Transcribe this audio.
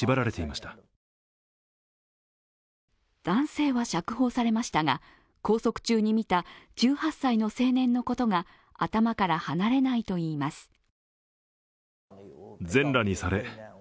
男性は釈放されましたが拘束中に見た１８歳の青年のことが頭から離れないといいます。